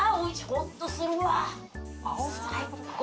ほっとするわ、最高！